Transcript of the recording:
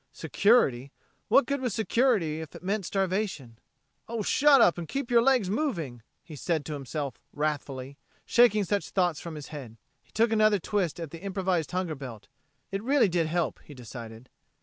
Security? What good was security if it meant starvation? "Oh, shut up, and keep your legs moving," he said to himself wrathfully, shaking such thoughts from his head. He took another twist at the improvised hunger belt. It really did help, he decided.